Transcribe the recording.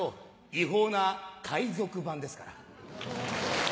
違法な海賊版ですから。